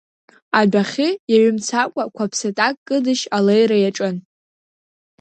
Адәахьы иаҩымцакәа қәаԥсатак кыдышьшь алеира иаҿын.